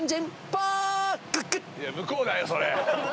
向こうだよそれ。